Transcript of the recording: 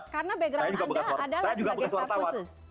karena background anda adalah sebagai staf khusus